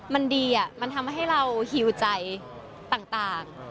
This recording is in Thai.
มันดีมันทำให้เราหิวใจต่าง